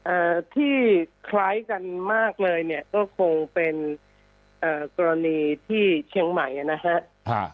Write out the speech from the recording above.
อ่าที่คล้ายกันมากเลยเนี่ยก็คงเป็นเอ่อกรณีที่เชียงใหม่อ่ะนะฮะค่ะ